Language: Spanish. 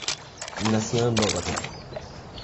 Nació en Bogotá.